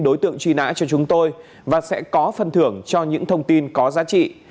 đối tượng truy nã cho chúng tôi và sẽ có phần thưởng cho những thông tin có giá trị